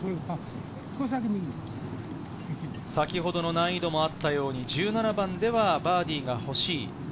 先ほどの難易度もあったように１７番ではバーディーがほしい。